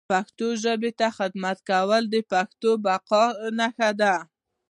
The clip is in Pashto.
پښتو ژبي ته خدمت کول د پښتون بقا نښه ده